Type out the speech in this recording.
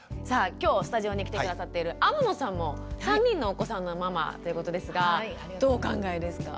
今日スタジオに来て下さっている天野さんも３人のお子さんのママということですがどうお考えですか？